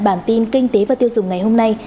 bản tin kinh tế và tiêu dùng ngày hôm nay